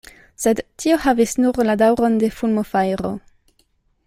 Sed tio havis nur la daŭron de fulmofajro.